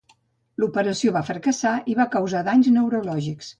L'operació va fracassar i va causar danys neurològics.